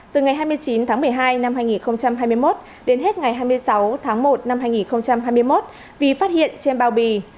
từ ngày hai mươi chín tháng một mươi hai năm hai nghìn hai mươi một đến hết ngày hai mươi sáu tháng một năm hai nghìn hai mươi một vì phát hiện trên bao bì